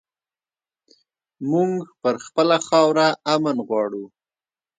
مونږ پر خپله خاوره امن غواړو